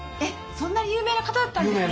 そんな有名な方だったんですね。